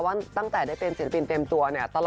ว่าตั้งแต่ได้เป็นศิลปินเต็มตัว